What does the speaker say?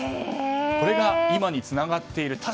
これが今につながっている。